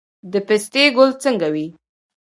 د پستې ګل څنګه وي؟